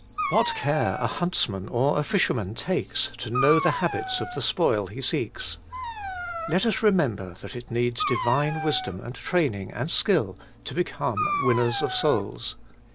What care a huntsman or a fisherman takes to know the habits of the spoil he seeks. Let us rememiber that it needs Divine wisdom and training and skill to become winners of souls.